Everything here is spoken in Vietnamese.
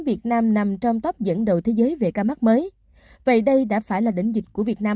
việt nam nằm trong top dẫn đầu thế giới về ca mắc mới vậy đây đã phải là đỉnh dịch của việt nam